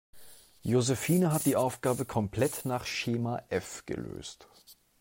Josephine hat die Aufgabe komplett nach Schema F gelöst.